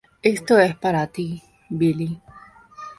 Esto es para ti, Billie".